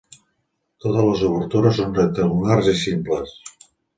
Totes les obertures són rectangulars i simples.